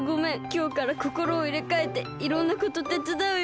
きょうからこころをいれかえていろんなことてつだうよ。